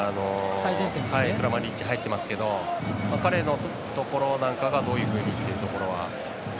クラマリッチが入ってますけど彼のところなんかがどういうふうにというところは。